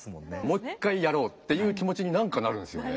もう一回やろうっていう気持ちに何かなるんですよね。